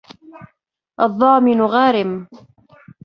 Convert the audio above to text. الضامن غارم